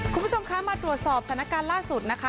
คุณผู้ชมคะมาตรวจสอบสถานการณ์ล่าสุดนะคะ